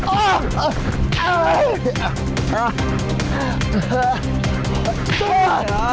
โอ๊ยอย่าทำใคร